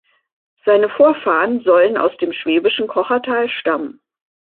Seine Vorfahren sollen aus dem schwäbischen Kochertal stammen.